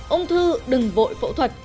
ung thư đừng vội phẫu thuật